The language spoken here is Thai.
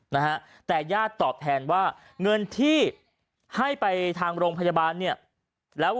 นะฮะแต่ญาติตอบแทนว่าเงินที่ให้ไปทางโรงพยาบาลเนี่ยแล้ว